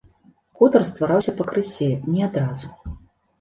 Хутар ствараўся пакрысе, не адразу.